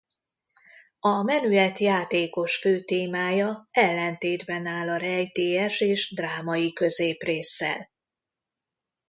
A menüet játékos főtémája ellentétben áll a rejtélyes és drámai középrésszel.